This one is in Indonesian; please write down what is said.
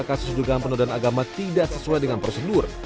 kasus juga penodonan agama tidak sesuai dengan prosedur